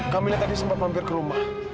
kami tadi sempat mampir ke rumah